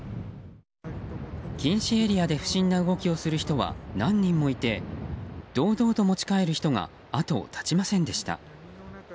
禁止エリアで不審な動きをする人は何人もいて、堂々と持ち帰る人が後を絶ちませんでした。